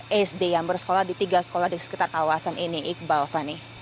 adalah saya lihat anak anak sd yang bersekolah di tiga sekolah di sekitar kawasan ini iqbal fani